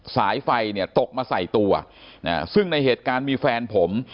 สายไฟเนี่ยตกมาใส่ตัวซึ่งในเหตุการณ์มีแฟนผม